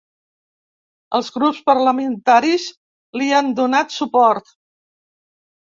Els grups parlamentaris li han donat suport.